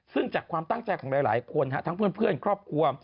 ซึ่งจากความตั้งใจของหลายคนทั้งเพื่อนครอบครัว